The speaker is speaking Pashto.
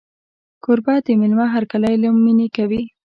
کوربه د مېلمه هرکلی له مینې کوي.